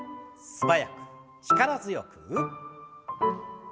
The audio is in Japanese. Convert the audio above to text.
素早く力強く。